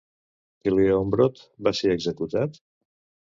Cleombrot va ser executat?